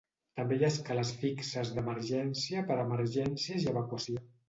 També hi ha escales fixes d'emergència per a emergències i evacuació.